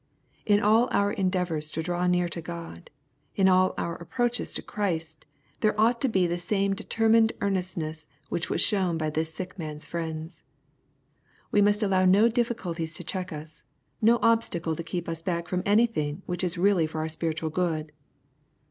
In all our endeavors to draw near to God, in all our approaches to Christ, there ought to be the same determined earnestness which was shown by this sick man's friends. We must allow no difficulties to check us, and no obstacle to keep us back from anything which is really for our spiritual good.